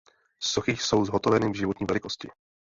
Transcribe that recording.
Sochy jsou zhotoveny v životní velikosti.